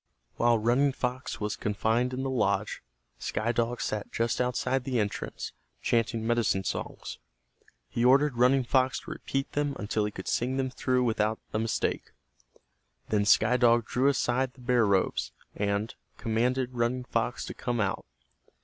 While Running Fox was confined in the lodge, Sky Dog sat just outside the entrance, chanting medicine songs. He ordered Running Fox to repeat them until he could sing them through without a mistake. Then Sky Dog drew aside the bear robes, and commanded Running Fox to come out.